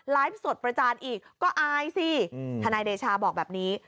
สดประจานอีกก็อายสิทนายเดชาบอกแบบนี้